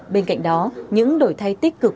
bên cạnh đó những đổi thay tích cực